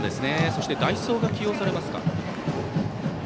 そして代走が起用されますか。